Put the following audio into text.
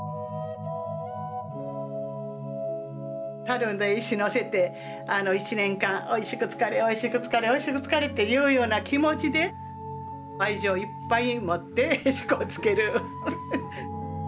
たるに石のせて１年間「おいしく漬かれおいしく漬かれおいしく漬かれ」っていうような気持ちで愛情いっぱい持ってへしこを漬ける。